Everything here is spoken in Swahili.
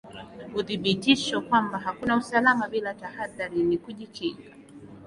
Uthibitisho kwamba hakuna usalama bila tahadhari na kujikinga